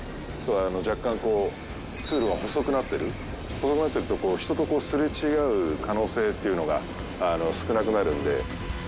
細くなってると人と擦れ違う可能性っていうのが少なくなるんで。